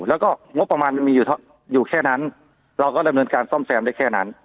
แล้วก็งบประมาณมีอยู่แค่นั้นเราก็ดำเนินการซ่อมแซมได้แค่นั้น